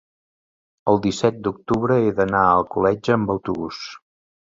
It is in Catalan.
el disset d'octubre he d'anar a Alcoletge amb autobús.